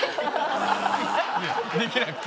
できなくて？